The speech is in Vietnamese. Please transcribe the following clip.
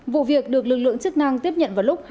vụ việc được lực lượng chức năng tiếp nhận vào lúc hai mươi